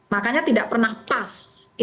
makanya tidak pernah pas